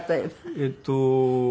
えっと